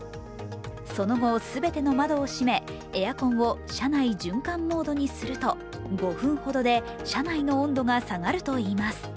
その後、全ての窓を閉めエアコンを車内循環モードにすると５分ほどで車内の温度が下がるといいます。